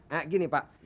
nah gini pak